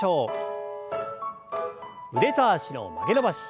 腕と脚の曲げ伸ばし。